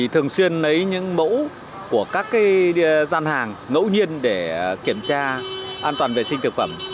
thường xuyên lấy những mẫu của các gian hàng ngẫu nhiên để kiểm tra an toàn vệ sinh thực phẩm